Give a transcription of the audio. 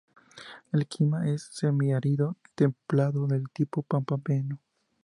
El clima es semiárido, templado, del tipo pampeano.